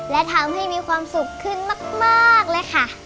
และทำให้มีความสุขขึ้นมากเลยค่ะ